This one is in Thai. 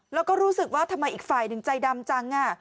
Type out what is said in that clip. แล้วก็รู้สึกว่าทำไมอีกฝ่ายหนึ่งใจดำจัง